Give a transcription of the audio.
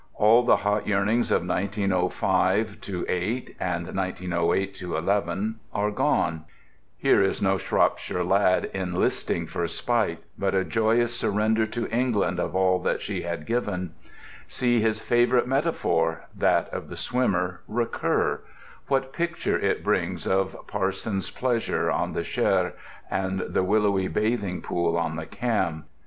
All the hot yearnings of "1905 08" and "1908 11" are gone; here is no Shropshire Lad enlisting for spite, but a joyous surrender to England of all that she had given. See his favourite metaphor (that of the swimmer) recur—what pictures it brings of "Parson's Pleasure" on the Cher and the willowy bathing pool on the Cam.